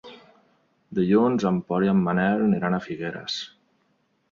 Dilluns en Pol i en Manel aniran a Figueres.